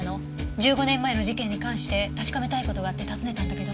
１５年前の事件に関して確かめたい事があって訪ねたんだけど。